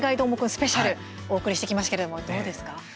スペシャルお送りしてきましたけれどもどうですか？